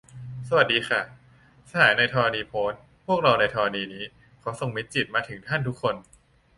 สวัสดีค่ะ สหายในธรณีโพ้น พวกเราในธรณีนี้ ขอส่งมิตรจิตมาถึงท่านทุกคน